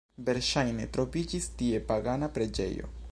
Verŝajne troviĝis tie pagana preĝejo.